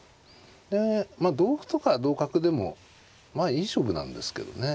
で同歩とか同角でもまあいい勝負なんですけどね。